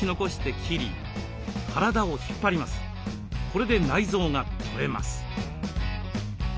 これで内臓が取れます。